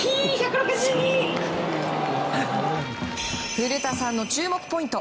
古田さんの注目ポイント